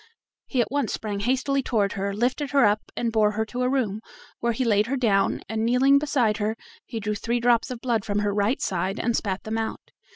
He at once sprang hastily toward her, lifted her up, and bore her to a room, where he laid her down, and kneeling beside her he drew three drops of blood from her right side, and spat them out.